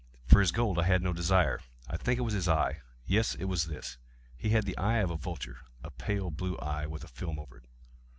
For his gold I had no desire. I think it was his eye! yes, it was this! He had the eye of a vulture—a pale blue eye, with a film over it.